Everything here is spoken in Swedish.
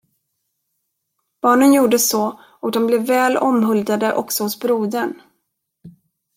Barnen gjorde så och de blev väl omhuldade också hos brodern.